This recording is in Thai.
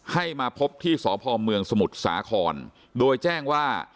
ให้มาพบที่สพเมืองสมุทรสาครโดยแจ้งว่า